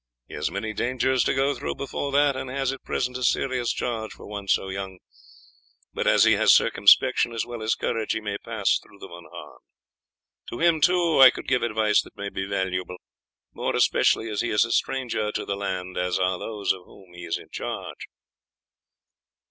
He has many dangers to go through before that, and has at present a serious charge for one so young; but as he has circumspection as well as courage he may pass through them unharmed. To him too I could give advice that may be valuable, more especially as he is a stranger to the land, as are those of whom he is in charge."